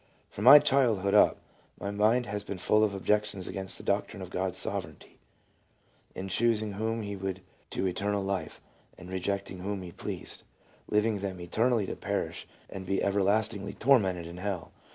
"From my childhood up, my mind has been full of objections against the doctrine of God's Sovereignty, in choosing whom He would to eternal life, and rejecting whom He pleased ; leaving them eternally to perish and be everlastingly tormented in hell.